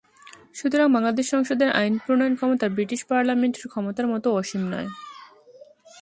সুতরাং বাংলাদেশ সংসদের আইন প্রণয়ন ক্ষমতা ব্রিটিশ পার্লামেন্টের ক্ষমতার মতো অসীম নয়।